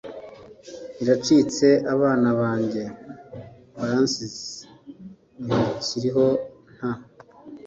iracitse abana banjye baransize ntibakiriho nta